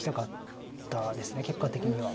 結果的には。